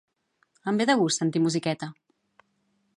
Em ve de gust sentir musiqueta.